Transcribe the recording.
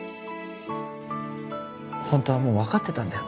ホントはもう分かってたんだよ